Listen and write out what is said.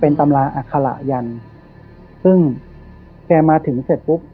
เป็นตำราอัคระยันซึ่งแกมาถึงเสร็จปุ๊บ